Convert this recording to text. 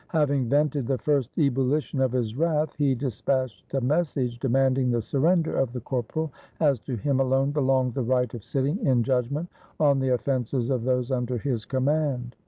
Having vented the first ebullition of his wrath, he dis patched a message demanding the surrender of the cor poral, as to him alone belonged the right of sitting in judgment on the offenses of those under his command.